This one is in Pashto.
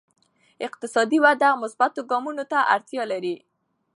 اقتصادي وده مثبتو ګامونو ته اړتیا لري.